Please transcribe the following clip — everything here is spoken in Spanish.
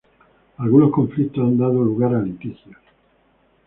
Algunos conflictos han dado lugar a litigios.